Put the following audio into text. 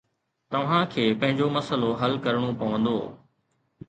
توهان کي پنهنجو مسئلو حل ڪرڻو پوندو